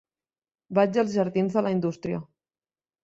Vaig als jardins de la Indústria.